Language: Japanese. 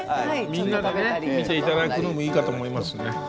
みんなで見て頂くのもいいかと思います。